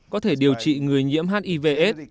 có thể điều trị người nhiễm hiv aids